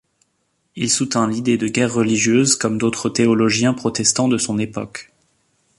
Il soutint l'idée de guerre religieuse comme d'autres théologiens protestants de son époque.